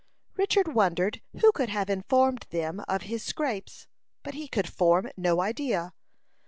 Richard wondered who could have informed them of his scrapes, but he could form no idea.